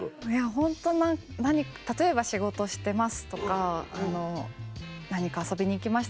ホント何か例えば仕事してますとか何か遊びに行きます